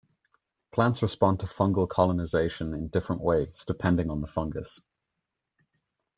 Plants responded to fungal colonisation in different ways, depending on the fungus.